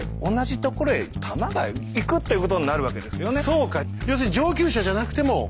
そうか！